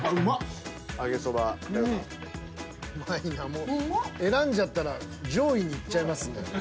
もう選んじゃったら上位にいっちゃいますね。